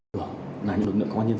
các đơn dân christiaan seng kênh trả tự